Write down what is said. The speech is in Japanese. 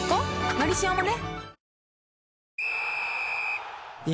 「のりしお」もね